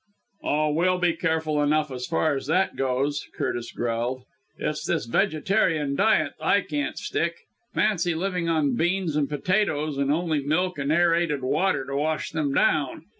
"Oh, we'll be careful enough as far as that goes," Curtis growled. "It's this vegetarian diet that I can't stick. Fancy living on beans and potatoes, and only milk and aerated water to wash them down.